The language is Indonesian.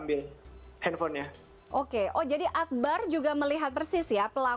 iya kalau lagi